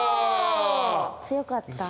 強かった。